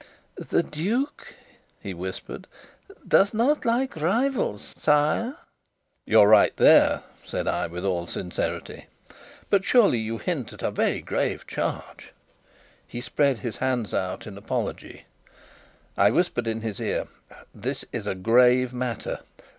"The duke," he whispered, "does not like rivals, sire." "You're right there," said I, with all sincerity. "But surely you hint at a very grave charge?" He spread his hands out in apology. I whispered in his ear: "This is a grave matter.